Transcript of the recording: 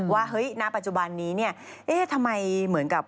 ว่าเฮ้ยณปัจจุบันนี้ทำไมเหมือนกับ